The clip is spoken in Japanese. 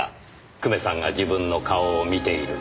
久米さんが自分の顔を見ている。